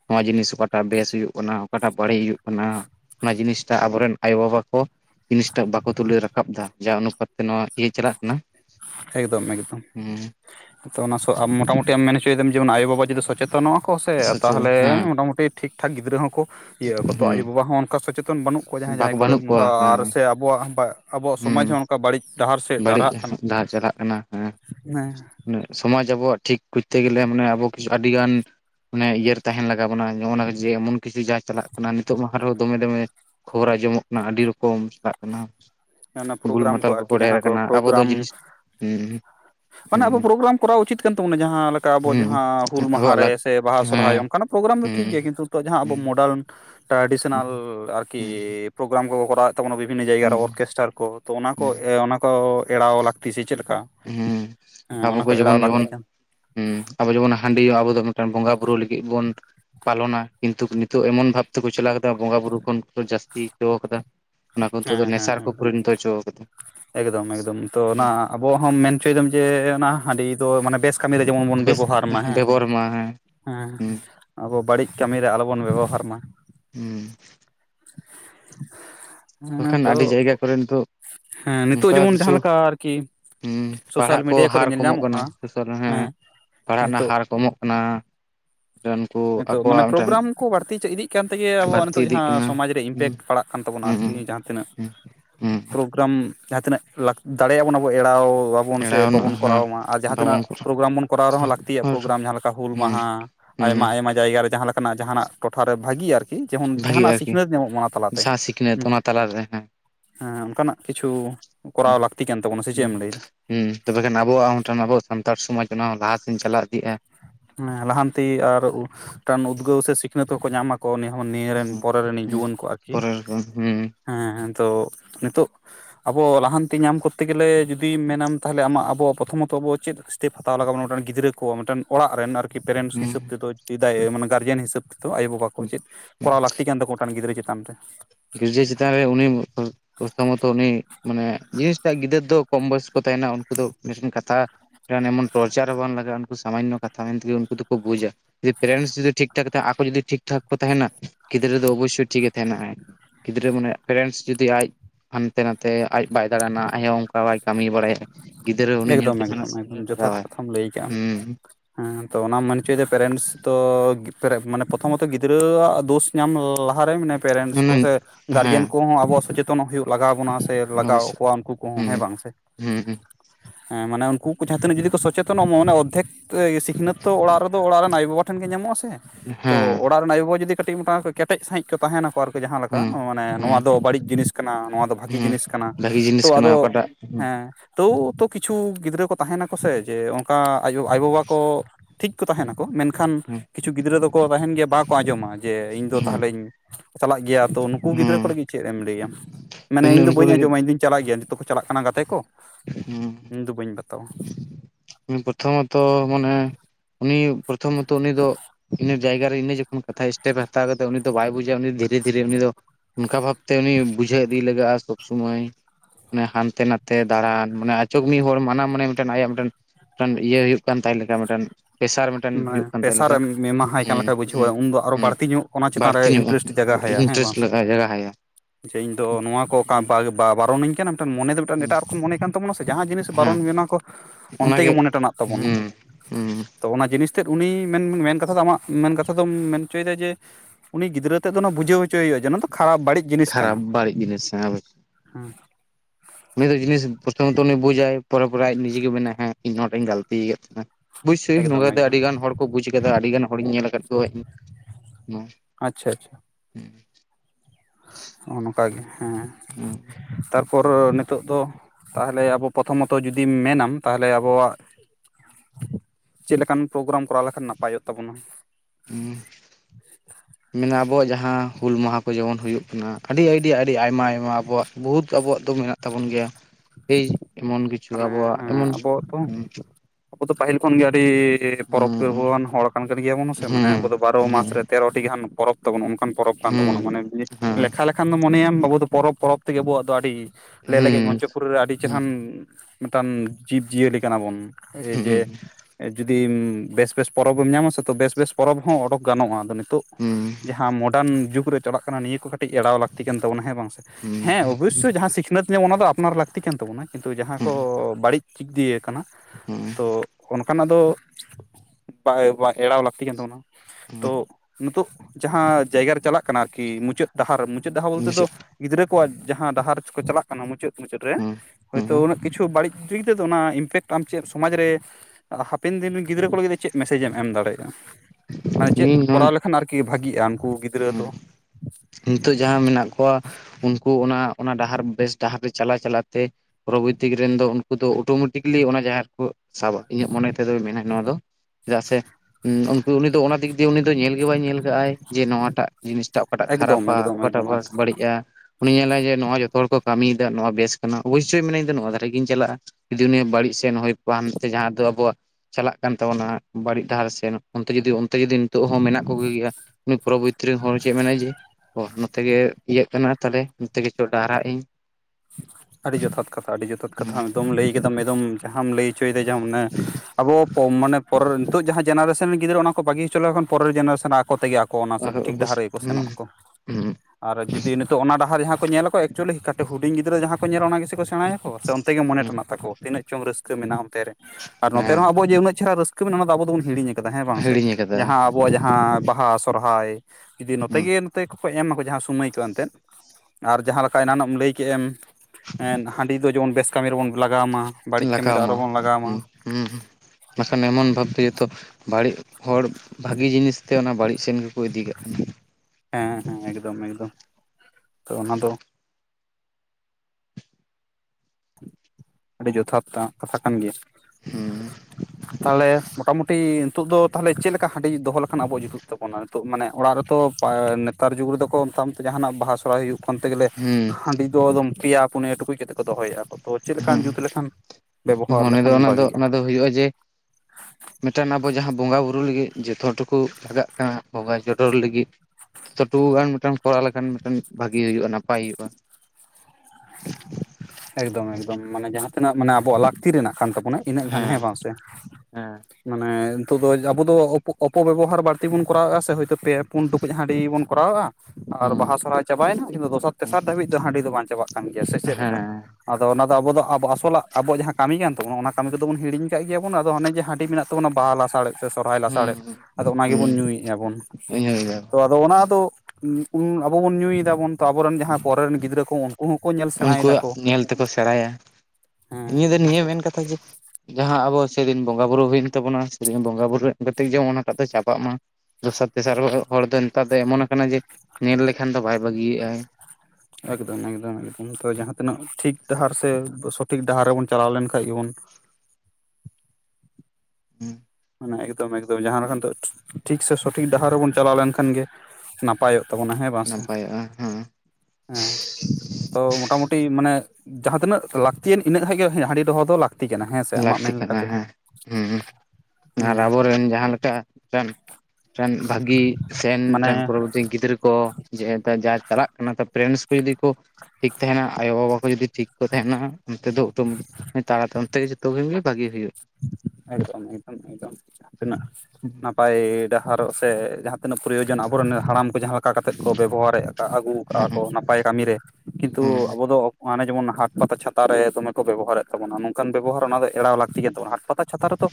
ᱱᱚᱣᱟ ᱡᱤᱱᱤᱥᱼᱼ ᱚᱠᱟᱴᱟᱜ ᱵᱮᱥ ᱦᱩᱭᱩᱜ ᱠᱟᱱᱟ ᱚᱠᱟᱴᱟᱜ ᱵᱟᱹᱲᱤᱡ ᱦᱩᱭᱩᱜ ᱠᱟᱱᱟ ᱚᱱᱟ ᱡᱤᱱᱤᱥᱴᱟ ᱟᱵᱚᱨᱮᱱ ᱟᱭᱳᱵᱟᱵᱟ ᱠᱚᱼᱼ ᱡᱤᱱᱤᱥᱴᱟᱜ ᱵᱟᱠᱚ ᱛᱩᱞᱟᱹᱣ ᱨᱟᱠᱟᱵ ᱮᱫᱟ ᱡᱟ ᱚᱱᱩᱯᱟᱛ ᱛᱮ ᱱᱚᱣᱟ ᱤᱭᱟᱹ ᱪᱟᱞᱟᱜ ᱠᱟᱱᱟ᱾ ᱮᱠᱫᱚᱢ ᱮᱠᱫᱚᱢ ᱦᱮᱸ ᱚᱱᱟ ᱢᱚᱴᱟ ᱢᱩᱴᱤ ᱟᱢ ᱢᱮᱱ ᱦᱚᱪᱚᱭᱟᱢ ᱡᱮᱢᱚᱱ ᱟᱭᱳ ᱵᱟᱵᱟᱼᱼ ᱡᱩᱫᱤ ᱥᱚᱪᱮᱛᱚᱱᱚᱜᱼᱟ ᱠᱚ ᱥᱮ ᱥᱚᱪᱮ ᱛᱟᱦᱚᱞᱮ ᱦᱮᱸ ᱢᱚᱴᱟ ᱢᱩᱴᱤ ᱴᱷᱤᱠ ᱴᱷᱟᱠ ᱜᱤᱫᱽᱨᱟᱹ ᱦᱚᱸᱠᱚᱼᱼ ᱤᱭᱟᱹ ᱠᱚ ᱛᱚ ᱟᱭᱳ ᱦᱩᱸ ᱵᱟᱵᱟ ᱦᱚᱸ ᱚᱱᱠᱟ ᱥᱚᱪᱮᱛᱚᱱ ᱵᱟᱹᱱᱩᱜ ᱠᱚᱣᱟ ᱡᱟᱦᱟᱸᱭ ᱵᱟᱠ ᱡᱟᱦᱟᱸᱭ ᱠᱚᱨᱮ ᱵᱟᱹᱱᱩᱜ ᱱᱚᱝᱠᱟ ᱠᱚᱣᱟ ᱟᱨ ᱦᱮᱸ ᱥᱮ ᱟᱵᱚᱣᱟᱜ ᱟᱵᱚᱣᱟᱜ ᱥᱚᱢᱟᱡᱽ ᱦᱩᱸ ᱦᱚᱸᱼᱼ ᱚᱠᱟ ᱵᱟᱹᱲᱤᱡ ᱰᱟᱦᱟᱨ ᱥᱮᱫ ᱵᱟᱹᱲᱤᱡ ᱰᱟᱨᱦᱟᱜ ᱠᱟᱱᱟ᱾ ᱰᱟᱦᱟᱨ ᱪᱟᱞᱟᱜ ᱠᱟᱱᱟ ᱦᱮᱸ ᱦᱮᱸ ᱢᱟᱱᱮ ᱥᱚᱢᱟᱡ ᱟᱵᱚᱣᱟᱜ ᱴᱷᱤᱠ ᱠᱚᱨᱛᱮ ᱜᱮᱞᱮ ᱢᱟᱱᱮ ᱟᱵᱚ ᱠᱤᱪᱷᱩ ᱟᱹᱰᱤᱜᱟᱱᱼᱼ ᱢᱟᱱᱮ ᱤᱭᱟᱹᱨᱮ ᱛᱟᱦᱮᱱ ᱞᱟᱜᱟᱣ ᱵᱚᱱᱟ ᱱᱚᱜᱼᱚᱱᱟ ᱡᱮ ᱮᱢᱚᱱ ᱠᱤᱪᱷᱩᱼᱼ ᱪᱟᱞᱟᱜ ᱠᱟᱱᱟ ᱱᱤᱛᱚᱜ ᱢᱟ ᱦᱟᱨᱚᱜ ᱫᱚᱢᱮ ᱫᱚᱢᱮ ᱠᱷᱚᱵᱚᱨ ᱟᱸᱡᱚᱢᱚᱜ ᱠᱟᱱᱟ ᱟᱹᱰᱤ ᱨᱚᱠᱚᱢ ᱪᱟᱞᱟᱜ ᱠᱟᱱᱟ᱾ ᱚᱱᱟ ᱵᱩᱞ ᱯᱨᱳᱜᱨᱟᱢ ᱢᱟᱛᱟᱞ ᱠᱚ ᱠᱚᱠᱚ ᱟᱨᱠᱤ ᱦᱮᱨ ᱡᱟᱦᱟᱸ ᱠᱚ ᱟᱠᱟᱱᱟ ᱟᱵᱚ ᱫᱚ ᱯᱨᱳᱜᱨᱟᱢ ᱡᱤᱱᱤᱥ ᱦᱮᱸᱼᱼ ᱢᱟᱱᱮ ᱟᱵᱚ ᱯᱨᱳᱜᱨᱟᱢ ᱠᱚᱨᱟᱣ ᱩᱪᱤᱛ ᱠᱟᱱ ᱛᱟᱵᱚᱱᱟ ᱡᱟᱦᱟᱸ ᱞᱮᱠᱟ ᱟᱵᱚ ᱦᱩᱸ ᱡᱟᱦᱟᱸ ᱦᱩᱞ ᱢᱟᱦᱟ ᱟᱵᱚᱣᱟᱜ ᱨᱮ ᱞᱟᱠ ᱥᱮ ᱵᱟᱦᱟ ᱥᱚᱨᱦᱟᱭ ᱦᱮᱸ ᱚᱱᱠᱟ ᱱᱟᱜ᱾ ᱯᱨᱳᱜᱨᱟᱢ ᱫᱚ ᱦᱩᱸ ᱴᱷᱤᱠ ᱜᱮᱭᱟ ᱠᱤᱱᱛᱩ ᱱᱤᱛᱚᱜ ᱡᱟᱦᱟᱸ ᱟᱵᱚ ᱦᱩᱸ ᱢᱚᱰᱟᱨᱱᱼᱼ ᱴᱨᱟᱰᱤᱥᱚᱱᱟᱞ ᱟᱨᱠᱤ ᱦᱩᱸ ᱯᱨᱳᱜᱨᱟᱢ ᱠᱚᱠᱚ ᱠᱚᱨᱟᱣᱮᱫ ᱛᱟᱵᱚᱱᱟ ᱵᱤᱵᱷᱤᱱᱱᱚ ᱡᱟᱭᱜᱟ ᱨᱮ ᱦᱩᱸ ᱚᱨᱼᱼ ᱢᱟᱥᱴᱟᱨ ᱠᱚ ᱛᱚ ᱚᱱᱟ ᱦᱩᱸ ᱠᱚ ᱚᱱᱟ ᱠᱚ ᱮᱲᱟᱣ ᱞᱟᱹᱠᱛᱤ ᱥᱮ ᱪᱮᱫ ᱞᱮᱠᱟ? ᱦᱮᱸ ᱦᱮᱸ ᱟᱵᱚ ᱚᱱᱟ ᱠᱚ ᱮᱲᱟᱣ ᱡᱮᱢᱚᱱ ᱞᱟᱹᱠᱛᱤ ᱡᱮᱢᱚᱱᱼᱼ ᱠᱟᱱ ᱦᱩᱸ ᱟᱵᱚ ᱡᱮᱢᱚᱱ ᱦᱟᱸᱰᱤ ᱟᱵᱚ ᱫᱚ ᱢᱤᱫᱴᱟᱱ ᱵᱚᱸᱜᱟ ᱵᱩᱨᱩ ᱞᱟᱹᱜᱤᱫ ᱵᱚᱱᱼᱼ ᱯᱟᱞᱚᱱᱟ ᱠᱤᱱᱛᱩ ᱱᱤᱛᱚᱜ ᱮᱢᱚᱱ ᱵᱷᱟᱵ ᱛᱮᱠᱚ ᱪᱟᱞᱟᱣ ᱠᱮᱫᱟ ᱵᱚᱸᱜᱟ ᱵᱩᱨᱩ ᱠᱷᱚᱱ ᱡᱟᱹᱥᱛᱤ ᱦᱚᱪᱚᱣ ᱠᱟᱫᱟ᱾ ᱚᱱᱟ ᱠᱚ ᱱᱤᱛᱚᱜ ᱫᱚ ᱦᱮᱸ ᱦᱮᱸ ᱱᱮᱥᱟ ᱨᱮ ᱠᱚ ᱮᱠᱫᱚᱢ ᱯᱩᱨᱤᱱᱚᱛ ᱦᱚᱪᱚ ᱠᱟᱫᱟ᱾ ᱮᱠᱫᱚᱢ ᱮᱠᱫᱚᱢ ᱛᱚ ᱚᱱᱟ ᱟᱵᱚ ᱦᱚᱸᱚᱢ ᱢᱮᱱ ᱚᱪᱚ ᱭᱮᱫᱟᱢ ᱡᱮ ᱚᱱᱟ ᱦᱟᱹᱰᱤ ᱫᱚ ᱢᱟᱱᱮ ᱵᱮᱥᱼᱼ ᱠᱟᱹᱢᱤ ᱨᱮ ᱡᱮᱢᱚᱱ ᱵᱚᱱ ᱵᱮᱥ ᱵᱮᱵᱚᱦᱟᱨ ᱢᱟ ᱦᱮᱸ ᱵᱮᱵᱚᱦᱟᱨ ᱢᱟ ᱦᱮᱸ ᱦᱮᱸᱼᱼ ᱦᱩᱸ ᱟᱵᱚ ᱵᱟᱹᱲᱤᱡ ᱠᱟᱹᱢᱤ ᱨᱮ ᱟᱞᱚᱵᱚᱱ ᱵᱮᱵᱚᱦᱟᱨ ᱢᱟ᱾ ᱦᱮᱸ ᱦᱮᱸ ᱵᱟᱠᱷᱟᱱ ᱛᱚ ᱟᱹᱰᱤ ᱡᱟᱭᱜᱟ ᱠᱚᱨᱮ ᱱᱤᱛᱚᱜ ᱦᱮᱸ ᱱᱤᱛᱚᱜ ᱚᱱᱠᱟ ᱡᱮᱢᱚᱱ ᱡᱟᱦᱟᱸ ᱠᱤᱪᱷᱩ᱾ ᱞᱮᱠᱟ ᱟᱨᱠᱤ ᱦᱮᱸ ᱥᱳᱥᱟᱞ ᱯᱟᱲᱦᱟᱜ ᱠᱚ ᱢᱤᱰᱤᱭᱟ ᱠᱚᱨᱮ ᱦᱟᱨ ᱧᱮᱞ ᱠᱚᱢᱚᱜ ᱠᱟᱱᱟ ᱧᱟᱢᱚᱜᱼᱟ ᱟᱥᱚᱞᱮ ᱦᱮᱸ ᱯᱟᱲᱦᱟᱜ ᱨᱮᱱᱟᱜ ᱱᱤᱛᱚᱜ ᱦᱟᱨ ᱠᱚᱢᱚᱜᱼᱼ ᱚᱱᱟ ᱨᱮᱱᱼᱼ ᱱᱤᱛᱚᱜ ᱢᱟᱱᱮ ᱯᱨᱳᱜᱨᱟᱢ ᱠᱚ ᱵᱟᱹᱲᱛᱤ ᱪᱚ ᱤᱫᱤ ᱠᱟᱱ ᱛᱮᱜᱮ ᱟᱵᱚᱣᱟᱜ ᱵᱟᱹᱲᱛᱤ ᱱᱤᱛᱚᱜ ᱤᱫᱤᱜ ᱡᱟᱦᱟᱸ ᱠᱟᱱᱟ ᱥᱚᱢᱟᱡᱽ ᱨᱮ ᱦᱩᱸ ᱤᱢᱯᱮᱠᱴ ᱯᱟᱲᱟᱜ ᱠᱟᱱ ᱛᱟᱵᱚᱱᱟ ᱦᱩᱸ ᱦᱩᱸ ᱟᱨᱠᱤ ᱡᱟᱦᱟᱸᱼᱼ ᱛᱤᱱᱟᱹᱜ ᱦᱩᱸ ᱦᱩᱸ ᱯᱨᱳᱜᱨᱟᱢ ᱡᱟᱦᱟᱸ ᱛᱤᱱᱟᱹᱜ ᱫᱟᱲᱮᱭᱟᱜ ᱟᱵᱚᱱ ᱟᱵᱚ ᱮᱲᱟᱣᱼᱼ ᱵᱚᱱ ᱥᱮ ᱮᱲᱟᱣ ᱨᱮᱱᱟᱜ ᱵᱟᱵᱚᱱ ᱦᱮᱸ ᱠᱚᱨᱟᱣ ᱢᱟ ᱾ ᱟᱨ ᱡᱟᱦᱟᱸ ᱛᱤᱱᱟᱹᱜ ᱵᱟᱵᱚᱱ ᱯᱨᱳᱜᱨᱟᱢ ᱵᱚᱱ ᱠᱚᱨᱟᱣ ᱨᱮᱦᱚᱸ ᱞᱟᱹᱠᱛᱤᱭᱟᱜ ᱦᱩᱸ ᱯᱨᱳᱜᱨᱟᱢ ᱡᱟᱦᱟᱸ ᱞᱮᱠᱟ ᱦᱩᱞ ᱦᱩᱸ ᱢᱟᱦᱟ ᱾ ᱟᱭᱢᱟ ᱟᱭᱢᱟ ᱡᱟᱭᱜᱟ ᱨᱮ ᱡᱟᱦᱟᱸ ᱞᱮᱠᱟᱱᱟᱜ ᱡᱟᱸᱦᱟᱱᱟᱜ ᱴᱚᱴᱷᱟᱨᱮ ᱵᱷᱟᱹᱜᱤ ᱟᱨ ᱾ ᱡᱮᱢᱚᱱ ᱵᱷᱟᱜᱤᱜᱼᱟ ᱡᱟᱸᱦᱟᱱᱟᱜ ᱟᱨᱠᱤ ᱥᱤᱠᱷᱱᱟᱹᱛ ᱧᱟᱢᱚᱜ ᱢᱟ ᱚᱱᱟ ᱛᱟᱞᱟᱛᱮ ᱾ ᱡᱟᱦᱟᱸ ᱥᱤᱠᱷᱱᱟᱹᱛ ᱚᱱᱟ ᱛᱟᱞᱟᱨᱮ ᱦᱮᱸ ᱦᱮᱸ ᱚᱱᱠᱟᱱᱟᱜ ᱠᱤᱪᱷᱩ ᱠᱚᱨᱟᱣ ᱞᱟᱹᱠᱛᱤ ᱠᱟᱱ ᱛᱟᱵᱚᱱᱟ, ᱥᱮ ᱪᱮᱫ ᱮᱢ ᱞᱟᱹᱭᱮᱫᱟ? ᱦᱮᱸ ᱛᱚᱵᱮ ᱠᱷᱟᱱ ᱟᱵᱚᱣᱟᱜ ᱦᱚᱸ ᱢᱤᱫᱴᱟᱝ ᱥᱟᱱᱛᱟᱲ ᱥᱚᱢᱟᱡᱽ ᱞᱟᱦᱟ ᱥᱮᱱ ᱪᱟᱞᱟᱣ ᱤᱫᱤᱜᱼᱟ ᱾ ᱞᱟᱦᱟᱱᱛᱤ ᱟᱨ ᱴᱟᱱ ᱩᱫᱽᱜᱟᱹᱣ ᱥᱮ ᱥᱤᱠᱷᱱᱟᱹᱛ ᱦᱚᱸ ᱠᱚ ᱧᱟᱢᱟ ᱾ ᱠᱚ ᱩᱱᱤ ᱦᱚᱸ ᱱᱤᱭᱟᱹ ᱨᱮᱱ ᱯᱚᱨᱮ ᱨᱮᱱ ᱦᱩᱸ ᱡᱩᱣᱟᱹᱱ ᱠᱚ ᱟᱨᱠᱤ, ᱯᱚᱨᱮ ᱦᱩᱸ ᱦᱮᱸ ᱛᱚ ᱱᱤᱛᱚᱜᱼᱼ ᱟᱵᱚ ᱞᱟᱦᱟᱱᱛᱤ ᱧᱟᱢ ᱠᱚᱨᱛᱮ ᱜᱮᱞᱮ ᱡᱩᱫᱤ ᱢᱮᱱᱟᱢ ᱛᱟᱦᱚᱞᱮ ᱟᱢᱟᱜ ᱟᱵᱚ ᱯᱨᱚᱛᱷᱚᱢᱚᱛᱚ ᱟᱵᱚ ᱪᱮᱫᱼᱼ ᱛᱮᱫ ᱦᱟᱛᱟᱣ ᱞᱟᱜᱟ ᱵᱚᱱᱟ ᱢᱤᱫᱴᱮᱱ ᱜᱤᱫᱽᱟᱹ ᱠᱚ ᱢᱤᱫᱴᱮᱱᱼᱼ ᱚᱲᱟᱜ ᱨᱮᱱ ᱟᱨᱠᱤ ᱯᱮᱨᱮᱱᱴᱥ ᱦᱤᱥᱟᱹᱵᱽ ᱦᱩᱸ ᱛᱮᱫᱚ ᱪᱮᱫᱟᱭ, ᱢᱟᱱᱮ ᱜᱟᱨᱡᱮᱱ ᱦᱤᱥᱟᱹᱵᱽ ᱛᱮᱫᱚ ᱟᱭᱳ ᱵᱟᱵᱟᱼᱼ ᱵᱟᱠᱚ ᱪᱮᱫ, ᱠᱚᱨᱟᱣ ᱞᱟᱹᱠᱛᱤ ᱠᱟᱱ ᱛᱟᱠᱚᱣᱟ ᱠᱷᱟᱱ ᱜᱤᱫᱽᱨᱟᱹ ᱪᱮᱛᱟᱱ ᱨᱮᱼᱼ ᱜᱤᱫᱽᱨᱟᱹ ᱪᱮᱛᱟᱱ ᱨᱮ ᱤᱱᱤ [unintelligible] ᱯᱨᱚᱛᱷᱚᱢᱚᱛᱚ ᱩᱱᱤ, ᱢᱟᱱᱮ ᱡᱤᱱᱤᱤᱥ ᱴᱟᱜ ᱜᱤᱫᱟᱹᱨ ᱫᱚ ᱠᱚᱢ ᱵᱚᱭᱚᱥ ᱠᱚ ᱛᱟᱸᱦᱮᱱᱟ ᱩᱱᱠᱩ ᱫᱚ ᱢᱤᱫᱴᱮᱱ ᱠᱟᱛᱷᱟᱼᱼ ᱟᱱ ᱮᱢᱚᱱ ᱯᱨᱚᱪᱟᱨ ᱦᱚᱸ ᱵᱟᱝ ᱞᱟᱜᱟᱜᱼᱟ ᱩᱱᱠᱩ ᱥᱟᱢᱟᱱᱱᱚ ᱠᱟᱛᱷᱟ ᱢᱮᱱᱛᱮ ᱜᱮ ᱩᱱᱠᱩ ᱫᱚᱠᱚ ᱵᱩᱡᱟ ᱾ ᱡᱩᱫᱤ ᱯᱮᱨᱮᱱᱴᱥ ᱡᱩᱫᱤ ᱴᱷᱤᱠ ᱴᱷᱟᱠ, ᱟᱠᱚ ᱡᱩᱫᱤ ᱴᱷᱤᱠ ᱴᱷᱟᱠ ᱠᱚ ᱛᱟᱸᱦᱮᱱᱟ, ᱜᱤᱫᱽᱨᱟᱹ ᱫᱚ ᱚᱵᱚᱥᱥᱳᱭ ᱴᱷᱤᱠᱮ ᱛᱟᱸᱦᱮᱱᱟ ᱟᱭ ᱾ ᱜᱤᱫᱽᱨᱟᱹ ᱢᱟᱱᱮ ᱯᱮᱨᱮᱱᱴᱥ ᱡᱩᱫᱤ ᱟᱡ ᱦᱟᱱᱛᱮ ᱱᱟᱛᱮ ᱟᱡ ᱵᱟᱭ ᱫᱟᱬᱟᱱᱟ ᱟᱡᱦᱚᱸ ᱚᱱᱠᱟ ᱵᱟᱭ ᱠᱟᱹᱢᱤ ᱵᱟᱲᱟᱭᱟᱼᱺ ᱜᱤᱫᱽᱨᱟᱹ ᱩᱱᱤ ᱧᱮᱞᱛᱮ ᱮᱠᱫᱚᱢ ᱡᱟᱦᱟᱱᱟᱜ ᱮᱠᱫᱚᱢ ᱮᱠᱫᱚᱢ ᱥᱤᱠᱷᱱᱟᱹᱛ ᱡᱚᱛᱷᱟᱛ ᱦᱟᱛᱟᱣᱟ ᱠᱟᱛᱷᱟᱢ ᱞᱟᱹᱭ ᱠᱟᱜᱼᱟ ᱦᱮᱸᱼᱼ ᱦᱮᱸ ᱛᱚ ᱚᱱᱟ ᱢᱮᱱ ᱦᱚᱪᱚᱭᱫᱟ ᱯᱮᱨᱮᱱᱴᱥ ᱛᱚ ᱢᱟᱱᱮ ᱯᱨᱚᱛᱷᱚᱢᱚᱛᱚ ᱜᱤᱫᱽᱨᱟᱹᱣᱟᱜ ᱫᱳᱥ ᱾ ᱧᱟᱢ ᱞᱟᱦᱟ ᱨᱮ ᱢᱟᱱᱮ ᱯᱮᱨᱮᱱᱴᱥ ᱠᱚ ᱦᱮᱸ ᱥᱮᱼᱼ ᱜᱟᱨᱡᱮᱱ ᱠᱚᱦᱚᱸ ᱟᱵᱚᱣᱟᱜ ᱥᱚᱪᱮᱛᱚᱱᱚᱜ ᱦᱩᱭᱩᱜ ᱞᱟᱜᱟᱣ ᱵᱚᱱᱟ ᱥᱮ ᱞᱟᱜᱟᱣ ᱚᱵᱚᱥᱥᱳᱭ ᱠᱚᱣᱟ ᱩᱱᱠᱩ ᱠᱚᱦᱚᱸ ᱦᱮᱸ ᱵᱟᱝ ᱥᱮ ᱾ ᱦᱩᱸ ᱦᱩᱸ ᱾ ᱦᱮᱸ ᱢᱟᱱᱮ ᱩᱱᱠᱩ ᱠᱚ ᱡᱟᱦᱟᱸ ᱛᱤᱱᱟᱹᱜ ᱡᱩᱫᱤ ᱠᱚ ᱥᱚᱪᱮᱛᱚᱱᱚᱜᱼᱟ, ᱢᱟᱱᱮ ᱚᱨᱫᱷᱮᱠ ᱮ ᱥᱤᱠᱷᱱᱟᱹᱛ ᱫᱚ ᱚᱲᱟᱜ ᱨᱮᱫᱚ ᱚᱲᱟᱜ ᱨᱮᱱ ᱟᱭᱳᱼᱵᱟᱰᱟᱼᱼ ᱴᱷᱮᱱ ᱜᱮ ᱧᱟᱢᱚᱜ ᱟ ᱥᱮ, ᱛᱚ ᱦᱮᱸ ᱚᱲᱟᱜ ᱨᱤᱱ ᱟᱭᱳ ᱵᱟᱵᱟ ᱡᱩᱫᱤ ᱠᱟᱹᱴᱤᱡ ᱢᱚᱴᱟᱢᱩᱴᱤ ᱠᱮᱴᱮᱡ ᱥᱟᱺᱦᱤᱡ ᱠᱚ ᱛᱟᱸᱦᱮᱱᱟᱠᱚ ᱟᱨᱠᱤ ᱾ ᱡᱟᱦᱟᱸ ᱞᱮᱠᱟ ᱦᱩᱸ ᱢᱟᱱᱮ ᱦᱩᱸ ᱱᱚᱣᱟ ᱫᱚ ᱵᱟᱹᱲᱤᱡ ᱡᱤᱱᱤᱥ ᱠᱟᱱᱟ ᱱᱚᱣᱟ ᱫᱚ ᱵᱷᱟᱹᱜᱤ ᱦᱩᱸ ᱡᱤᱱᱤᱥ ᱠᱟᱱᱟ, ᱵᱷᱟᱜᱤ ᱡᱤᱱᱤᱥ ᱛᱚ ᱠᱟᱱᱟ ᱟᱫᱚᱼᱼ ᱚᱠᱟᱴᱟᱜ ᱦᱩᱸ ᱦᱮᱸ ᱾ ᱛᱟᱹᱣ ᱛᱚ ᱠᱤᱪᱷᱩ ᱜᱤᱫᱽᱨᱟᱹ ᱠᱚ ᱛᱟᱸᱦᱮᱱᱟᱠᱚ ᱥᱮ ᱡᱮ ᱚᱱᱠᱟ ᱟᱡ ᱟᱭᱳᱼᱵᱟᱵᱟ ᱠᱚ ᱴᱷᱤᱠ ᱠᱚ ᱛᱟᱸᱦᱮᱱᱟ ᱾ ᱢᱮᱱᱠᱷᱟᱱ ᱦᱩᱸ ᱠᱤᱪᱷᱩ ᱜᱤᱫᱽᱨᱟᱹ ᱫᱚᱠᱚ ᱛᱟᱸᱦᱮᱱ ᱜᱮᱭᱟ ᱵᱟᱠᱚ ᱟᱸᱡᱚᱢᱟ, ᱡᱮ ᱤᱧ ᱫᱚ ᱦᱩᱸ ᱛᱟᱦᱚᱞᱮᱧᱼᱼ ᱪᱟᱞᱟᱠ ᱜᱮᱭᱟ ᱛᱚ, ᱱᱩᱠᱩ ᱦᱩᱸ ᱜᱤᱫᱽᱨᱟᱹ ᱠᱚ ᱞᱟᱹᱜᱤᱫ ᱪᱮᱫ ᱮᱢ ᱞᱟᱹᱭᱟ, ᱢᱟᱱᱮ ᱤᱧ ᱫᱚ ᱩᱱᱠᱩ ᱵᱟᱹᱧ ᱞᱟᱹᱜᱤᱫ ᱟᱸᱡᱚᱢᱟ ᱤᱧᱫᱩᱧᱼᱼ ᱪᱟᱞᱟᱜ ᱜᱮᱭᱟ, ᱡᱚᱛᱚ ᱠᱚ ᱪᱟᱞᱟᱜ ᱠᱟᱱᱟ ᱜᱟᱛᱮ ᱠᱚᱼᱼ ᱦᱩᱸ [unintelligible] ᱤᱧᱫᱚ ᱵᱟᱹᱧ ᱵᱟᱛᱟᱣᱟ ᱾ ᱯᱨᱚᱛᱷᱚᱢᱚᱛᱚ ᱢᱟᱱᱮ, ᱩᱱᱤ ᱯᱨᱚᱛᱷᱚᱢᱚᱛᱚ ᱩᱱᱤ ᱫᱚᱼᱼ ᱤᱱᱟᱹ ᱡᱟᱭᱜᱟ ᱨᱮ ᱤᱱᱟᱹ ᱡᱚᱠᱷᱚᱱ ᱠᱟᱛᱷᱟ ᱥᱴᱮᱯ ᱦᱟᱛᱟᱣ ᱠᱟᱛᱮᱫ ᱩᱱᱤ ᱫᱚ ᱵᱟᱭ ᱵᱩᱡᱟ ᱩᱱᱤ ᱫᱷᱤᱨᱮ ᱫᱷᱤᱨᱮ ᱩᱱᱤ ᱫᱚᱼᱼ ᱚᱱᱠᱟ ᱵᱷᱟᱵᱽᱛᱮ ᱩᱱᱤ ᱵᱩᱡᱷᱟᱹᱣ ᱤᱫᱤ ᱞᱟᱜᱟᱜᱼᱟ ᱥᱚᱵᱽ ᱥᱩᱚᱢᱚᱭᱼᱼ ᱢᱟᱱᱮ ᱦᱟᱱᱛᱮ ᱱᱟᱛᱮ ᱫᱟᱬᱟᱱ ᱢᱟᱱᱮ ᱟᱪᱚᱠ ᱢᱤᱫ ᱦᱚᱲ ᱢᱟᱱᱟ ᱢᱟᱱᱮᱼᱼ ᱴᱮᱱ ᱟᱭᱟᱜ ᱢᱤᱫᱴᱮᱱ, ᱢᱤᱫᱴᱮᱱ ᱤᱭᱟᱹ ᱦᱩᱭᱩᱜ ᱠᱟᱱ ᱛᱟᱭ ᱞᱮᱠᱟ ᱢᱤᱫᱴᱮᱱᱼᱼ ᱢᱟᱱᱮ ᱯᱮᱥᱟᱨᱮᱢ ᱮᱢᱟᱦᱟᱭ ᱠᱟᱱ ᱦᱩᱸ ᱞᱮᱠᱟ ᱦᱩᱸ ᱵᱩᱡᱷᱟᱹᱣᱣᱟ ᱩᱱᱫᱚ ᱟᱨᱚ ᱦᱩᱸ ᱵᱟᱹᱲᱛᱤ ᱧᱚᱜ ᱚᱱᱟ ᱪᱮᱛᱟᱱ ᱨᱮ ᱵᱟᱹᱲᱛᱤ ᱧᱚᱜ ᱤᱱᱴᱟᱨᱮᱥᱴᱼᱼ ᱡᱟᱭᱜᱟ ᱦᱚᱭᱟ ᱦᱮᱸ ᱤᱱᱴᱟᱨᱮᱥᱴ ᱵᱟᱝ ᱥᱮ, ᱞᱟᱜᱟᱜᱼᱟ ᱡᱟᱜᱟ ᱦᱟᱭᱟ ᱡᱮ ᱤᱧ ᱫᱚ ᱱᱚᱣᱟ ᱠᱚ ᱠᱟ ᱵᱟ ᱵᱟ ᱵᱟᱨᱚᱱᱤᱧ ᱠᱟᱱᱟ ᱴᱮᱱ ᱢᱚᱱᱮ ᱨᱮᱼᱼ ᱦᱮᱸ ᱮᱴᱟᱜ ᱨᱚᱠᱚᱢ ᱢᱚᱱᱮ ᱠᱟᱱ ᱛᱟᱵᱚᱱᱟ ᱥᱮ, ᱡᱟᱦᱟᱸ ᱡᱤᱱᱤᱥ ᱦᱮᱸ ᱵᱟᱨᱚᱱ ᱢᱮᱱᱟ ᱠᱚ, ᱚᱱᱛᱮ ᱜᱮ ᱚᱱᱟᱜᱮ ᱢᱚᱱᱮ ᱴᱟᱱᱟᱜ ᱛᱟᱵᱚᱱᱟ ᱾ ᱦᱩᱸ ᱦᱩᱸ ᱾ ᱛᱚ ᱚᱱᱟ ᱡᱤᱱᱤᱥ ᱛᱮᱫ ᱩᱱᱤ ᱢᱮᱱ ᱢᱮᱱ ᱠᱟᱛᱷᱟ ᱫᱚ ᱟᱢᱟᱜ, ᱢᱮᱱ ᱠᱟᱛᱷᱟ ᱫᱚᱢ ᱢᱮᱱ ᱦᱚᱪᱚᱭᱮᱫᱟ ᱡᱮᱼᱼ ᱩᱱᱤ ᱜᱤᱫᱽᱨᱟᱹ ᱛᱮᱫ ᱫᱚ ᱚᱱᱟ ᱵᱩᱡᱷᱟᱹᱣ ᱦᱚᱪᱚᱭᱮ ᱦᱩᱭᱩᱜᱼᱟ ᱡᱮ, ᱱᱚᱣᱟ ᱫᱚ ᱠᱷᱟᱨᱟᱯ ᱵᱟᱹᱲᱤᱡ ᱡᱤᱱᱤᱥ ᱠᱟᱱᱟ ᱠᱷᱟᱨᱟᱯ ᱵᱟᱹᱲᱤᱡ ᱡᱤᱱᱤᱥ ᱦᱮᱸ ᱚᱵᱚᱥᱥᱳᱭ ᱾ ᱦᱮᱸ ᱾ ᱩᱱᱤ ᱫᱚ ᱡᱤᱱᱤᱥ ᱯᱨᱚᱛᱷᱚᱢᱚᱛᱚ ᱩᱱᱤ ᱵᱩᱡᱟᱭ ᱯᱚᱨᱮ ᱯᱚᱨᱮ ᱟᱡ ᱱᱤᱡᱮ ᱜᱮ ᱢᱮᱱᱟᱭ ᱦᱮᱸ ᱱᱚᱣᱟ ᱠᱚ ᱤᱧ ᱜᱟᱹᱞᱛᱤᱭ ᱠᱮᱫ ᱛᱟᱦᱮᱸ ᱾ ᱵᱩᱡᱽᱥᱩᱡᱽ ᱮᱠᱫᱚᱢ ᱱᱚᱝᱠᱟᱛᱮ ᱮᱠᱫᱚᱢ ᱟᱹᱰᱤ ᱜᱟᱱ ᱦᱚᱲ ᱠᱚ ᱵᱩᱡᱽ ᱟᱠᱟᱫᱟ ᱟᱹᱰᱤ ᱜᱟᱱ ᱦᱚᱲᱤᱧ ᱧᱮᱞ ᱟᱠᱟᱫ ᱠᱚᱣᱟ ᱤᱧ ᱾ ᱟᱪᱪᱷᱟ ᱟᱪᱪᱷᱟ᱾ ᱦᱮᱸᱻ ᱱᱚᱜᱼᱱᱚᱠᱟ ᱜᱮ ᱦᱮᱸ᱾ ᱦᱚᱸ᱾ ᱛᱟᱨᱯᱚᱨ ᱱᱤᱛᱚᱜ ᱫᱚ ᱛᱟᱦᱞᱮ ᱟᱵᱚ ᱯᱨᱚᱛᱷᱚ ᱢᱚᱛᱚ ᱡᱩᱫᱤᱢ ᱢᱮᱱᱟᱢ ᱛᱟᱦᱞᱮ ᱟᱵᱚᱣᱟᱜᱼᱼ ᱪᱮᱜ ᱞᱮᱠᱟᱱ ᱯᱨᱚᱜᱨᱟᱢ ᱠᱚᱨᱟᱣ ᱞᱮᱠᱷᱟᱱ ᱱᱟᱯᱟᱭᱚᱜ ᱛᱟᱵᱚᱱᱟ? ᱩᱸ ᱢᱮᱱᱟ ᱟᱵᱚᱣᱟᱜ ᱡᱟᱦᱟᱸ ᱦᱩᱞ ᱢᱟᱦᱟ ᱠᱚ ᱡᱮᱢᱚᱱ ᱦᱩᱭᱩᱜ ᱠᱟᱱᱟ ᱟᱹᱰᱤ, ᱟᱹᱰᱤᱼᱟᱹᱰᱤ ᱟᱭᱢᱟ ᱟᱭᱢᱟ ᱟᱵᱚᱣᱟᱜ ᱵᱩᱦᱩᱛ ᱟᱵᱚᱣᱟᱜ ᱫᱚ ᱢᱮᱱᱟᱜᱼᱼ ᱛᱟᱵᱚᱱ ᱜᱮᱭᱟ ᱮᱭ ᱮᱢᱚᱱ ᱠᱤᱪᱷᱩ ᱢᱟᱱᱮ ᱟᱵᱚᱣᱟᱜ ᱦᱮᱸ ᱮᱢᱚᱱᱼᱼ ᱟᱵᱚ ᱛᱚ ᱟᱵᱚ ᱫᱚ ᱯᱟᱹᱦᱤᱞ ᱠᱷᱚᱱ ᱜᱮ ᱟᱹᱰᱤ ᱯᱚᱨᱚᱵᱽ ᱦᱩᱸ ᱯᱚᱵᱩᱣᱟᱱ ᱦᱚᱲ ᱠᱟᱱ ᱠᱟᱱ ᱜᱮᱭᱟ ᱵᱚᱱ ᱥᱮ ᱢᱟᱱᱮ ᱦᱩᱸ ᱟᱵᱚ ᱫᱚ ᱵᱟᱨᱚ ᱢᱟᱥ ᱨᱮᱼᱼ ᱛᱮᱨᱚᱴᱤ ᱜᱟᱱ ᱯᱚᱨᱚᱵᱽᱼᱼ ᱛᱟᱵᱚᱱ ᱚᱱᱠᱟᱱ ᱯᱚᱨᱚᱵᱽ ᱠᱟᱱ ᱛᱟᱵᱚᱱᱟ ᱦᱩᱸ ᱢᱟᱱᱮ ᱦᱩᱸ ᱞᱮᱠᱷᱟ ᱞᱮᱠᱷᱟᱱ ᱫᱚ ᱢᱚᱱᱮᱭᱟ ᱟᱵᱚ ᱫᱚ ᱯᱚᱨᱵᱽ ᱯᱚᱨᱚᱵᱽ ᱛᱮᱜᱮ ᱟᱵᱚᱣᱟᱜ ᱫᱚ ᱟᱹᱰᱤᱼᱼ ᱞᱮ ᱞᱮᱜᱮᱡ ᱦᱮᱸ ᱢᱚᱧᱪᱚᱯᱩᱨᱤ ᱨᱮ ᱟᱹᱰᱤ ᱦᱩᱸ ᱪᱮᱨᱦᱟᱱ ᱢᱤᱫᱴᱟᱱ ᱡᱤᱵᱽᱡᱤᱭᱟᱹᱞᱤ ᱠᱟᱱᱟ ᱵᱚᱱ᱾ ᱮ ᱡᱮᱼᱼ ᱦᱩᱸ ᱦᱩᱸ ᱡᱩᱫᱤᱢ ᱵᱮᱥᱼᱵᱮᱥ ᱯᱚᱨᱚᱵᱽᱮᱢ ᱧᱟᱢᱟ ᱥᱮ ᱛᱚ ᱵᱮᱥᱼᱵᱮᱥ ᱯᱚᱨᱚᱵᱽ ᱦᱚᱸ ᱚᱰᱚᱠ ᱜᱟᱱᱚᱜᱼᱟ, ᱟᱫᱚ ᱱᱤᱛᱚᱜᱼᱼ ᱦᱩᱸ ᱡᱟᱦᱟᱸ ᱢᱚᱰᱟᱨᱱ ᱡᱩᱜᱽ ᱨᱮ ᱪᱟᱞᱟᱜ ᱠᱟᱱᱟ ᱱᱤᱭᱟᱹ ᱠᱚ ᱠᱟᱹᱴᱼᱼ ᱴᱤᱡ ᱮᱲᱟᱣ ᱞᱟᱹᱠᱛᱤ ᱠᱟᱱ ᱛᱟᱵᱚᱱᱟ ᱦᱮᱸ ᱵᱟᱝ ᱥᱮ ᱦᱩᱸ ᱦᱮᱸ ᱚᱵᱚᱥᱥᱚ ᱡᱟᱦᱟᱸ ᱥᱤᱠᱷᱱᱟᱹᱛ ᱧᱟᱢᱚᱜ, ᱚᱱᱟ ᱫᱚ ᱟᱱᱟᱨ ᱞᱟᱹᱠᱛᱤ ᱠᱟᱱ ᱛᱟᱵᱚᱱᱟ᱾ ᱠᱤᱱᱛᱩ ᱡᱟᱦᱟᱸ ᱠᱚ ᱦᱩᱸ ᱵᱟᱹᱲᱤᱡ ᱪᱤᱠᱫᱤ ᱟᱠᱟᱱᱟ ᱦᱩᱸ ᱛᱚ ᱚᱱᱼᱼ ᱠᱟᱱᱟᱜ ᱫᱚ ᱵᱟᱭ ᱵᱟ ᱮᱲᱟᱣ ᱞᱟᱹᱠᱛᱤ ᱠᱟᱱ ᱛᱟᱵᱚᱱᱟ ᱦᱩᱸ ᱛᱚᱼᱼ ᱱᱤᱛᱚᱜ ᱡᱟᱦᱟᱸ ᱡᱟᱭᱜᱟ ᱨᱮ ᱪᱟᱞᱟᱜ ᱠᱟᱱᱟ ᱟᱨᱠᱤ ᱢᱩᱪᱟᱹᱫ ᱰᱟᱦᱟᱨ, ᱢᱩᱪᱟᱹᱫ ᱰᱟᱦᱟᱨ ᱵᱚᱞᱛᱮ ᱫᱚᱼᱼ ᱢᱩᱪᱟᱹᱫ ᱜᱤᱫᱽᱨᱟᱹ ᱠᱚᱣᱟᱜ ᱡᱟᱦᱟᱸ ᱰᱟᱦᱟᱨ ᱠᱚ ᱪᱟᱞᱟᱜ ᱠᱟᱱᱟ ᱢᱩᱪᱟᱹᱫᱼᱢᱩᱪᱟᱹᱫ ᱨᱮ ᱦᱩᱸ ᱦᱩᱸ ᱦᱚᱭᱛᱚ ᱩᱱᱟᱹᱜ ᱠᱤᱪᱷᱩ ᱵᱟᱹᱲᱤᱪᱼᱼ [unintelligible] ᱛᱮᱫᱚ ᱚᱱᱟ ᱤᱢᱯᱮᱠᱴ ᱟᱢ ᱪᱮᱜ ᱥᱚᱢᱟᱡᱽ ᱨᱮ ᱦᱟᱯᱮᱱ ᱫᱤᱱᱼᱼ ᱜᱤᱫᱽᱨᱟᱹ ᱠᱚ ᱞᱟᱹᱜᱤᱫ ᱪᱮᱫ ᱢᱮᱥᱮᱡ ᱮᱢ ᱫᱟᱲᱮᱭᱟᱜᱼᱟ, ᱢᱟᱱᱮ ᱪᱮᱫ ᱦᱩᱸ ᱠᱚᱨᱟᱣ ᱞᱮᱠᱷᱟᱱ ᱟᱨᱠᱤ ᱵᱷᱟᱹᱜᱤᱜᱼᱟ? [unintelligible] ᱠᱩ ᱜᱤᱫᱽᱨᱟᱹ ᱦᱩᱸ ᱫᱚᱼᱼ ᱱᱤᱛᱚᱜ ᱡᱟᱦᱟᱸ ᱢᱮᱱᱟᱜ ᱠᱚᱣᱟ ᱩᱱᱠᱩ ᱚᱱᱟ, ᱚᱱᱟ ᱰᱟᱦᱟᱨ ᱵᱮᱥ ᱰᱟᱦᱟᱨ ᱨᱮ ᱪᱟᱞᱟᱣ ᱪᱟᱞᱟᱣ ᱛᱮᱼᱼ ᱯᱚᱨᱚᱵᱤᱛᱤᱠ ᱨᱮᱱ ᱫᱚ ᱩᱱᱠᱩ ᱫᱚ ᱚᱴᱚᱢᱮᱴᱤᱠᱞᱤ ᱚᱱᱟ ᱡᱟᱦᱮᱨ ᱠᱚ ᱥᱟᱵᱟ ᱤᱧᱟᱹᱜ ᱢᱚᱱᱮ ᱛᱮᱫᱚ ᱢᱮᱱᱟ ᱱᱚᱣᱟ ᱫᱚ᱾ ᱪᱮᱫᱟᱜ ᱥᱮ ᱩᱸ ᱩᱱᱤ ᱫᱚ ᱚᱱᱟ ᱫᱤᱠ ᱫᱤᱭᱮ ᱩᱱᱤ ᱫᱚ ᱧᱮᱞ ᱜᱮ ᱵᱟᱭ ᱧᱮᱞ ᱟᱠᱟᱜᱼᱟ᱾ ᱡᱮ ᱱᱚᱣᱟᱴᱟᱜ ᱡᱤᱱᱤᱥᱴᱟᱜ ᱚᱠᱟᱴᱟᱜ ᱮᱠᱫᱚᱢ ᱠᱷᱟᱨᱟᱯᱟ ᱮᱠᱫᱚᱢ ᱚᱠᱟᱴᱟᱜ ᱮᱠᱫᱚᱢ ᱟᱹᱰᱤ ᱵᱟᱥᱼᱵᱟᱹᱲᱤᱡᱼᱟᱼ ᱩᱱᱤ ᱧᱮᱞᱟᱭ ᱡᱮ ᱱᱚᱣᱟ ᱡᱚᱛᱚ ᱦᱚᱲ ᱠᱚ ᱠᱟᱹᱢᱤᱭᱮᱫᱟ ᱱᱚᱣᱟ ᱵᱮᱥ ᱠᱟᱱᱟ ᱚᱵᱚᱥᱥᱚᱭ ᱢᱮᱱᱟ ᱤᱧ ᱱᱚᱣᱟ ᱫᱷᱟᱨᱮ ᱜᱤᱧ ᱪᱟᱞᱟᱜᱼᱟ᱾ ᱡᱩᱫᱤ ᱩᱱᱤᱭᱟ ᱵᱟᱹᱲᱤᱡ ᱥᱮᱱ ᱦᱩᱭ ᱠᱚᱜᱼᱟ, ᱦᱟᱱᱛᱮ ᱡᱟᱦᱟᱸ ᱫᱚ ᱟᱵᱚᱣᱟᱜᱼᱼ ᱪᱟᱞᱟᱜ ᱠᱟᱱ ᱛᱟᱵᱚᱱᱟ ᱵᱟᱹᱲᱤᱡ ᱰᱟᱦᱟᱨ ᱥᱮᱱ, ᱚᱱᱛᱮ ᱡᱩᱫᱤ ᱚᱱᱛᱮ ᱡᱩᱫᱤ ᱱᱤᱛᱚᱜ ᱦᱚᱸ ᱢᱮᱱᱟᱜ ᱠᱚᱜᱮ ᱜᱮᱭᱟ᱾ ᱯᱨᱚᱵᱤᱛᱨᱤ ᱨᱮ ᱦᱚᱲ ᱪᱮᱫ ᱢᱮᱱᱟ ᱡᱮ ᱱᱚᱛᱮ ᱜᱮ ᱤᱭᱟᱹᱜ ᱠᱟᱱᱟ ᱛᱟᱦᱞᱮ ᱱᱚᱛᱮ ᱜᱮ ᱪᱚ ᱦᱚᱨ ᱰᱟᱦᱟᱨᱟᱜᱼᱟᱹᱧ᱾ [inaudible] ᱟᱹᱰᱤ ᱡᱚᱛᱷᱟᱛ ᱠᱟᱛᱷᱟ, ᱟᱹᱰᱤ ᱡᱚᱛᱷᱟᱛ ᱠᱟᱛᱷᱟ ᱮᱫᱚᱢ ᱞᱟᱹᱭ ᱠᱮᱫᱟᱢ ᱮᱠᱫᱚᱢ ᱡᱟᱦᱟᱸᱢ ᱞᱟᱹᱭᱼᱼ [unintelligible] ᱪᱚᱭ ᱡᱮ ᱢᱚᱱᱮ ᱟᱵᱚ ᱢᱟᱱᱮ ᱯᱚᱨ ᱱᱤᱛᱚᱜ ᱡᱟᱦᱟᱸ ᱡᱮᱱᱟᱨᱮᱥᱚᱱ ᱨᱮᱱ ᱜᱤᱫᱽᱨᱟᱹ ᱚᱱᱟᱼᱼ ᱠᱚ ᱵᱟᱹᱜᱤ ᱦᱚᱪᱚ ᱞᱮᱠᱚ ᱠᱷᱟᱱ ᱯᱚᱨᱮᱨ ᱡᱮᱱᱟᱨᱮᱥᱚᱱ ᱟᱠᱚ ᱛᱮᱜᱮ ᱟᱠᱚ ᱚᱱᱟ ᱴᱷᱤᱠ ᱚᱵᱚᱥ ᱰᱟᱦᱟᱨ ᱨᱮᱜᱮ ᱠᱚ ᱦᱩᱸ ᱥᱮᱱᱚᱜ ᱟᱠᱚ᱾ ᱦᱩᱸ ᱟᱨ ᱡᱩᱫᱤ ᱱᱤᱛᱚᱜ ᱚᱱᱟ ᱰᱟᱦᱟᱨ ᱡᱟᱦᱟᱸ ᱠᱚ ᱧᱮᱞ ᱠᱚᱣᱟ ᱮᱠᱪᱩᱭᱮᱞᱤ [unintelligible] ᱦᱩᱰᱤᱧ ᱜᱤᱫᱽᱨᱟᱹ ᱡᱟᱦᱟᱸ ᱠᱚ ᱧᱮᱞᱟ ᱚᱱᱟ ᱜᱮ ᱥᱮ ᱠᱚᱼᱼ ᱥᱮᱬᱟᱭᱟ ᱠᱚ ᱥᱮ ᱚᱱᱛᱮ ᱜᱮ ᱢᱚᱱᱮ ᱦᱩᱸ ᱴᱟᱱᱚᱜ ᱛᱟᱠᱚ ᱛᱤᱱᱟᱹᱜ ᱪᱚᱝ ᱨᱟᱹᱥᱠᱟᱹ ᱢᱮᱱᱟᱜᱼᱟ ᱚᱱᱛᱮ ᱨᱮ᱾ ᱟᱨ ᱱᱚᱛᱮ ᱦᱮᱸ ᱨᱮᱦᱚᱸ ᱟᱵᱚᱣᱟᱜ ᱡᱮ ᱩᱱᱟᱹᱜ ᱪᱮᱦᱨᱟ ᱨᱟᱹᱥᱠᱟᱹ ᱢᱮᱱᱟᱜ ᱚᱱᱟ ᱫᱚ ᱟᱵᱚ ᱫᱚᱵᱚᱱ ᱦᱤᱲᱤᱧ ᱟᱠᱟᱫᱟ ᱦᱮᱸ ᱵᱟᱝ ᱥᱮ ᱦᱤᱲᱤᱧ ᱟᱠᱟᱫᱟ ᱡᱟᱦᱟᱸᱼᱼ ᱟᱵᱚᱣᱟᱜ ᱡᱟᱦᱟᱸ ᱵᱟᱦᱟ, ᱥᱚᱨᱦᱟᱭ ᱡᱩᱫᱤ ᱱᱚᱛᱮ ᱦᱩᱸ ᱜᱮᱼᱼ ᱛᱮ ᱠᱚᱠᱚ ᱮᱢᱟᱠᱚ ᱡᱟᱦᱟᱸ ᱥᱚᱢᱚᱭ ᱠᱚ ᱮᱱᱛᱮᱫ ᱟᱨ ᱡᱟᱦᱟᱸ ᱞᱮᱠᱟ ᱮᱱᱟᱱ ᱮᱢ ᱞᱟᱹᱭ ᱠᱮᱜ ᱮᱢᱼᱼ [unintelligible] ᱦᱟᱺᱰᱤ ᱫᱚ ᱡᱮᱢᱚᱱ ᱵᱮᱥ ᱠᱟᱹᱢᱤ ᱨᱮᱵᱚᱱ ᱞᱟᱜᱟᱣ ᱢᱟ, ᱵᱟᱹᱲᱤᱡ ᱞᱟᱜᱟᱣ ᱠᱟᱹᱢᱤᱨᱮ ᱟᱨᱚ ᱵᱚᱱ ᱞᱟᱜᱟᱣ ᱢᱟ᱾ ᱦᱩᱸ ᱦᱩᱸ᱾ ᱢᱟᱥᱮ ᱢᱮᱢᱚᱱ ᱵᱷᱟᱵ ᱛᱮ ᱡᱚᱛᱚ ᱵᱟᱹᱲᱤᱡ ᱦᱚᱲ ᱵᱷᱟᱜᱤ ᱡᱤᱱᱤᱥ ᱛᱮ ᱚᱱᱟ ᱵᱟᱹᱲᱤᱡ ᱥᱮᱱ ᱜᱮᱼᱼ ᱠᱚ ᱤᱫᱤ ᱠᱟᱜ ᱠᱟᱱᱟ᱾ ᱦᱮᱸ ᱦᱮᱸ, ᱮᱠᱫᱚᱢᱼᱮᱠᱫᱚᱢ ᱛᱚ ᱚᱱᱟ ᱫᱚᱼᱼ ᱟᱹᱰᱤ ᱡᱚᱛᱷᱟᱛ ᱠᱟᱛᱷᱟ ᱠᱟᱱ ᱜᱮᱭᱟ᱾ ᱦᱩᱸ ᱛᱟᱦᱚᱞᱮ ᱢᱚᱴᱟᱢᱩᱴᱤ ᱱᱤᱛᱳᱜ ᱫᱚ ᱛᱟᱦᱞᱮ ᱪᱮᱫᱞᱮᱠᱟ ᱦᱟᱺᱰᱤ ᱫᱚᱦᱚ ᱞᱮᱠᱷᱟᱱ ᱟᱵᱚ ᱡᱩᱛᱩᱜ ᱛᱟᱵᱚᱱᱟ᱾ ᱢᱟᱱᱮ ᱚᱲᱟᱜ ᱨᱮᱛᱚ ᱱᱮᱛᱟᱨ ᱡᱩᱜᱽ ᱨᱮᱫᱚ ᱠᱚ ᱢᱮ ᱛᱮ ᱡᱟᱦᱟᱱᱟᱜ ᱵᱟᱦᱟᱼᱼ ᱟᱭ ᱦᱩᱭᱩᱜ ᱠᱟᱱᱛᱮ ᱜᱮᱞᱮ ᱦᱩᱸ ᱦᱟᱺᱰᱤ ᱫᱚ ᱮᱠᱫᱚᱢ ᱯᱮᱭᱟ ᱯᱩᱱᱭᱟ ᱴᱩᱠᱩᱡ ᱠᱟᱛᱮ ᱠᱚ ᱫᱚᱦᱚᱭᱮᱼᱟ ᱛᱚ᱾ ᱠᱟᱱ ᱦᱩᱸ ᱡᱩᱛ ᱞᱮᱠᱷᱟᱱᱼᱼ ᱢᱚᱱᱮ ᱫᱚ ᱚᱱᱟ ᱫᱚ ᱚᱱᱟ ᱫᱚ ᱦᱩᱭᱩᱜᱼᱟ ᱡᱮ, ᱢᱤᱫᱴᱟᱝ ᱟᱵᱚ ᱡᱟᱦᱟᱸ ᱵᱚᱸᱜᱟ ᱵᱩᱨᱩ ᱞᱟᱹᱜᱤᱫ ᱡᱚᱛᱚᱴᱩᱠᱩ ᱞᱟᱜᱟᱜ ᱠᱟᱱᱟ ᱵᱚᱸᱜᱟ ᱪᱚᱰᱚᱨ ᱞᱟᱹᱜᱤᱫᱼᱼ ᱪᱷᱳᱴᱩ ᱜᱟᱱ ᱢᱤᱫᱴᱮᱱ ᱠᱚᱨᱟᱣ ᱞᱮᱠᱷᱟᱱ ᱢᱤᱫᱴᱮᱱ ᱵᱷᱟᱜᱤ ᱦᱩᱭᱩᱜᱼᱟ ᱱᱟᱯᱟᱭ ᱦᱩᱭᱩᱜᱼᱟ᱾ [unintelligible] ᱮᱠᱫᱚᱢ ᱮᱠᱫᱚᱢ ᱢᱟᱱᱮ ᱡᱟᱦᱟᱸ ᱛᱤᱱᱟᱹᱜ ᱢᱟᱱᱮ ᱟᱵᱚᱣᱟᱜ ᱞᱟᱹᱠᱛᱤ ᱨᱮᱱᱟᱜ ᱠᱟᱱ ᱛᱟᱵᱚᱱᱟᱼᱼ ᱤᱱᱟᱹᱜ ᱜᱷᱟᱱ ᱦᱮᱸ ᱵᱟᱝ ᱥᱮ᱾ ᱦᱮᱸ ᱢᱟᱱᱮ ᱱᱤᱛᱚᱜ ᱫᱚ ᱟᱵᱚ ᱫᱚ ᱚᱯᱚᱵᱮᱵᱚᱦᱟᱨ ᱵᱟᱹᱲᱛᱤ ᱵᱚᱱ ᱠᱚᱨᱟᱣᱮᱫᱼᱟ ᱥᱮ ᱦᱳᱭᱛᱚ ᱯᱮ ᱯᱩᱱ ᱴᱩᱠᱩᱡ ᱦᱟᱺᱰᱤ ᱵᱚᱱ ᱠᱚᱨᱟᱣᱼᱟ, ᱦᱮᱸ ᱟᱨ ᱵᱟᱦᱟ ᱥᱚᱨᱦᱟᱭ ᱪᱟᱵᱟᱭᱮᱱᱟ ᱠᱤᱱᱛᱩ ᱫᱚᱥᱟᱨ ᱛᱮᱥᱟᱨ ᱫᱷᱟᱹᱵᱤᱡ ᱫᱚ ᱦᱟᱺᱰᱤ ᱫᱚ ᱵᱟᱝ ᱪᱟᱵᱟᱜ ᱠᱟᱱ ᱜᱮᱭᱟ ᱥᱮ ᱪᱮᱫ ᱞᱮᱠᱟ᱾ ᱦᱮᱸ ᱟᱫᱚ ᱚᱱᱟ ᱫᱚ ᱟᱵᱚ ᱫᱚ ᱟᱥᱚᱞᱟᱜ ᱟᱵᱚᱣᱟᱜ ᱡᱟᱦᱟᱸ ᱠᱟᱹᱢᱤ ᱠᱟᱱ ᱛᱟᱵᱚᱱᱟ ᱚᱱᱟᱠᱟᱹᱢᱤ ᱫᱚ ᱵᱚᱱ ᱦᱤᱱᱤᱧᱼᱼ ᱪᱤᱠᱟᱜ ᱜᱮᱭᱟ ᱵᱚᱱ ᱟᱫᱚ ᱦᱚᱱᱮ ᱡᱮ ᱦᱟᱺᱰᱤ ᱢᱮᱱᱟᱜ ᱛᱟᱵᱚᱱᱟ ᱵᱟᱦᱟ ᱞᱟᱥᱟᱲᱮᱫ ᱥᱮ ᱥᱚᱨᱦᱟᱭ ᱞᱟᱥᱟᱲᱮᱫ ᱦᱩᱸ ᱟᱫᱚ ᱚᱱᱟ ᱜᱮᱵᱚᱱ ᱦᱩᱸ ᱧᱩᱭᱮ᱾ ᱧᱩᱭᱟᱵᱚᱱ᱾ ᱤᱭᱟᱹ ᱛᱚ ᱟᱫᱚ ᱚᱱᱟ ᱫᱚ ᱟᱵᱚ ᱵᱚᱱ ᱧᱩᱭ ᱫᱟᱵᱚᱱ ᱟᱵᱚᱨᱮᱱ ᱡᱟᱦᱟᱸᱭ ᱯᱚᱨᱮᱨᱮ ᱨᱮᱱ ᱜᱤᱫᱽᱨᱟᱹ ᱠᱚ ᱩᱱᱠᱩᱼᱼ ᱩᱱᱠᱩᱣᱟᱜ ᱧᱮᱞ ᱛᱮᱠᱚ ᱥᱮᱬᱟᱭᱟ ᱤᱧᱟᱹᱜ ᱦᱮᱸ ᱫᱚ ᱱᱤᱭᱟᱹ ᱢᱮᱱ ᱠᱟᱛᱷᱟ ᱡᱮᱼᱼ ᱡᱟᱦᱟᱸ ᱟᱵᱚ ᱥᱮᱫᱤᱱ ᱵᱚᱸᱜᱟ ᱵᱩᱨᱩ ᱦᱩᱭᱮᱱ ᱛᱟᱵᱚᱱᱟ ᱥᱮᱫᱤᱱ ᱵᱚᱸᱜᱟ ᱵᱩᱨᱩᱛᱮᱫ ᱡᱮᱢᱚᱱ ᱚᱱᱟᱴᱟᱜ ᱫᱚ ᱪᱟᱵᱟᱜ ᱢᱟ, ᱫᱚᱥᱟᱨ ᱛᱮᱥᱟᱨ ᱦᱚᱲ ᱫᱚ ᱱᱮᱛᱟᱨ ᱫᱚ ᱮᱢᱚᱱ ᱟᱠᱟᱱᱟ ᱡᱮ ᱧᱮᱞ ᱞᱮᱠᱷᱟᱱ ᱫᱚ ᱵᱟᱭ ᱵᱟᱹᱜᱤᱭᱮᱫᱼᱟ᱾ ᱮᱠᱫᱚᱢ ᱮᱠᱫᱚᱢ ᱮᱠᱫᱚᱢ ᱛᱚ ᱡᱟᱦᱟᱸ ᱛᱤᱱᱟᱹᱜ ᱴᱷᱤᱠ ᱰᱟᱦᱟᱨ ᱥᱮ ᱥᱚᱴᱷᱤᱠ ᱰᱟᱦᱟᱨ ᱨᱮᱵᱚᱱ ᱪᱟᱞᱟᱣ ᱞᱮᱱᱠᱷᱟᱱ ᱜᱮᱵᱚᱱᱼᱼ ᱦᱩᱸ [inaudible] ᱮᱠᱫᱚᱢ ᱮᱠᱫᱚᱢ ᱡᱟᱦᱟᱸ ᱞᱮᱠᱟ ᱫᱚ ᱴᱷᱤᱠ ᱥᱮ ᱥᱚᱴᱷᱤᱠ ᱰᱟᱦᱟᱨ ᱨᱮᱵᱚᱱ ᱪᱟᱞᱟᱣ ᱞᱮᱱᱠᱷᱟᱱ ᱜᱮᱼᱼ ᱱᱟᱯᱟᱭᱚᱜ ᱛᱟᱵᱚᱱᱟ ᱦᱮᱸᱼᱼ ᱱᱟᱯᱟᱭᱚᱜᱼᱟ ᱦᱮᱸ᱾ ᱦᱩᱸ᱾ ᱛᱚ ᱢᱚᱴᱟᱢᱩᱴᱤ ᱢᱟᱱᱮ ᱡᱟᱦᱟᱸ ᱛᱤᱱᱟᱹᱜ ᱞᱟᱹᱠᱛᱤᱭᱟᱱ ᱤᱱᱟᱹᱜᱟᱜ ᱫᱷᱟᱵᱤᱡ ᱜᱮ ᱦᱟᱺᱰᱤ ᱫᱚᱦᱚ ᱫᱚ ᱞᱟᱹᱠᱼᱼ ᱞᱟᱠᱛᱤᱜ ᱠᱟᱱᱟ ᱦᱮᱸ ᱥᱮ ᱟᱢᱟᱜ ᱢᱮᱱ ᱞᱮᱠᱟᱛᱮᱫᱚ, ᱦᱩᱸ ᱦᱩᱸ ᱾ ᱟᱨ ᱟᱵᱚᱨᱮᱱ ᱡᱟᱦᱟᱸ ᱞᱮᱠᱟ ᱢᱤᱫᱴᱮᱱ ᱢᱤᱫᱴᱮᱱ ᱵᱷᱟᱹᱜᱤ ᱥᱮᱱ ᱢᱟᱱᱮ ᱢᱤᱫᱴᱮᱱ ᱯᱨᱚᱵᱚᱼᱼ ᱜᱤᱫᱽᱨᱟᱹ ᱠᱚ ᱡᱮᱦᱮᱛᱩ ᱡᱟ ᱪᱟᱞᱟᱜ ᱠᱟᱱᱟ ᱯᱨᱮᱱᱥ ᱠᱚ ᱡᱩᱫᱤ ᱠᱚᱼᱼ ᱴᱷᱤᱠ ᱛᱟᱦᱮᱱᱟ ᱟᱭᱳᱼᱵᱟᱵᱟ ᱠᱚ ᱡᱩᱫᱤ ᱴᱷᱤᱠ ᱠᱚ ᱛᱟᱦᱮᱱᱟ ᱚᱱᱛᱮ ᱫᱚ ᱮᱠᱫᱚᱢ ᱛᱟᱲᱟᱛᱚᱱᱼᱼ ᱡᱚᱛᱚ ᱠᱚ ᱜᱮ ᱵᱷᱟᱜᱤ ᱦᱩᱭᱩᱜ᱾ ᱮᱠᱫᱚᱢ ᱮᱠᱫᱚᱢ ᱮᱠᱫᱚᱢ ᱛᱤᱱᱟᱹᱜᱼᱼ ᱦᱩᱸ [inaudible] ᱱᱟᱯᱟᱭ ᱰᱟᱦᱟᱨᱚᱜ ᱥᱮ ᱡᱟᱦᱟᱸᱼᱼ ᱛᱤᱱᱟᱹᱜ ᱯᱨᱚᱭᱳᱡᱚᱱ ᱟᱵᱚᱨᱮᱱ ᱦᱟᱲᱟᱢ ᱠᱚ ᱡᱟᱦᱟᱸ ᱞᱮᱠᱟ ᱠᱟᱛᱮᱫ ᱠᱚ ᱵᱮᱵᱚᱦᱟᱨᱮᱫᱟᱜ ᱟᱹᱜᱩ ᱟᱠᱟᱫᱼᱟ ᱠᱚ ᱱᱟᱯᱟᱭ ᱠᱟᱹᱢᱤ ᱨᱮ, ᱠᱤᱱᱛᱩ ᱦᱩᱸ ᱟᱵᱚᱫᱚ ᱟᱱᱮ ᱡᱮᱢᱚᱱ ᱦᱟᱴ ᱯᱟᱛᱟ ᱪᱷᱟᱛᱟ ᱨᱮ ᱫᱚᱢᱮ ᱠᱚ ᱵᱮᱵᱷᱟᱨᱮᱫ ᱛᱟᱵᱚᱱᱟ ᱱᱚᱝᱠᱟᱱ ᱵᱮᱵᱷᱦᱟᱨ ᱚᱱᱟ ᱫᱚᱼᱼ ᱴᱷᱤ ᱜᱮ ᱛᱟᱵᱚᱱᱟ ᱦᱟᱴ ᱯᱟᱛᱟ ᱪᱷᱟᱛᱟ ᱨᱮᱫᱚ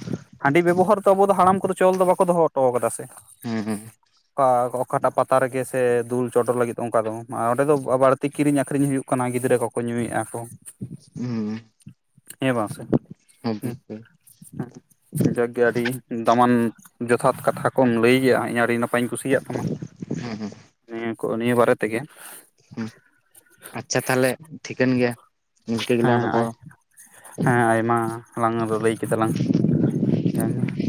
ᱦᱟᱺᱰᱤ ᱵᱮᱵᱚᱦᱟᱨ ᱫᱚ ᱟᱵᱚ ᱫᱚ ᱦᱟᱲᱟᱢ ᱠᱚᱫᱚ ᱪᱚᱞ ᱫᱚ ᱵᱟᱠᱚ ᱫᱚᱦᱚ ᱦᱚᱴᱚ ᱟᱠᱟᱫᱟ ᱥᱮᱼᱼ ᱦᱩᱸ ᱦᱩᱸ ᱟᱨ ᱚᱠᱟᱴᱜ ᱯᱟᱛᱟ ᱨᱮᱜᱮᱼᱼ ᱥᱮ ᱫᱩᱞ ᱪᱚᱰᱚᱨ ᱞᱟᱹᱜᱤᱫ ᱚᱱᱠᱟ ᱫᱚ ᱚᱸᱰᱮ ᱫᱚ ᱵᱟᱹᱲᱛᱤ ᱠᱤᱨᱤᱧ ᱟᱹᱠᱷᱨᱤᱧ ᱦᱩᱭᱩᱜ ᱠᱟᱱᱟ ᱜᱤᱫᱽᱨᱟᱹ ᱠᱚᱠᱚ ᱧᱩᱭᱮᱼᱟ ᱠᱚ᱾ ᱦᱮᱸ [inaudible] ᱡᱟᱠ ᱜᱮ ᱟᱹᱰᱤ ᱫᱟᱢᱟᱱ ᱡᱚᱛᱷᱟᱛ ᱠᱟᱛᱷᱟ ᱠᱚᱢ ᱞᱟᱹᱭ ᱜᱮᱭᱟ ᱤᱧ ᱟᱹᱰᱤ ᱱᱟᱯᱟᱭᱼᱼ ᱠᱟᱛᱷᱟᱧ ᱠᱩᱥᱤᱭᱟᱜ ᱛᱟᱢᱟ ᱦᱩᱸ ᱦᱩᱸ ᱱᱤᱭᱟᱹ ᱠᱚ ᱱᱤᱭᱟᱹ ᱵᱟᱨᱮ ᱛᱮᱜᱮ᱾ ᱟᱪᱷᱟ ᱛᱟᱦᱚᱞᱮ ᱴᱷᱤᱠᱟᱹᱱ ᱜᱮᱭᱟ ᱜᱤᱱᱠᱟᱹ ᱜᱮᱞᱟᱝ ᱦᱮᱸ ᱨᱚᱯᱚᱲᱟ ᱦᱮᱸ ᱟᱭᱢᱟ ᱞᱟᱝ ᱞᱟᱹᱭ ᱠᱮᱫᱟ ᱞᱟᱝ [unintelligible]